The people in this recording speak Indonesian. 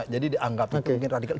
jadi dianggap itu mungkin radikal